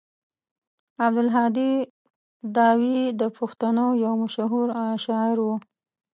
عبدالهادي داوي د پښتنو يو مشهور شاعر و.